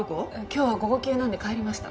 今日は午後休なんで帰りました。